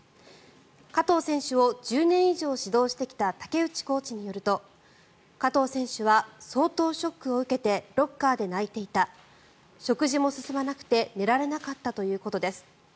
加藤選手を１０年以上指導してきた竹内コーチによると加藤選手は相当ショックを受けてロッカーで泣いていた食事も進まなくて寝られなかったということです。